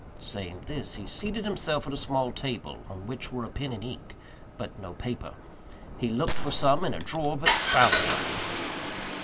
Saying this, he seated himself at a small table, on which were a pen and ink, but no paper. He looked for some in a drawer, but found none.